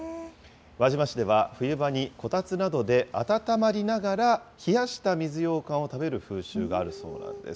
輪島市では、冬場にこたつなどで温まりながら、冷やした水ようかんを食べる風習があるそうなんです。